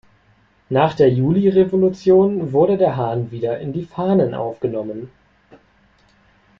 Nach der Julirevolution wurde der Hahn wieder in die Fahnen aufgenommen.